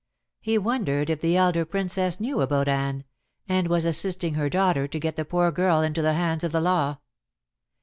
He wondered if the elder Princess knew about Anne, and was assisting her daughter to get the poor girl into the hands of the law.